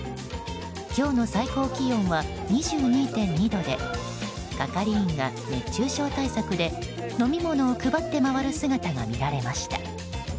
今日の最高気温は２２．２度で係員が熱中症対策で飲み物を配って回る姿が見られました。